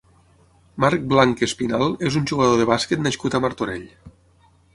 Marc Blanch Espinal és un jugador de bàsquet nascut a Martorell.